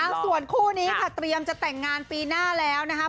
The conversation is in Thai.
ส่วนคู่นี้ค่ะเตรียมจะแต่งงานปีหน้าแล้วนะครับ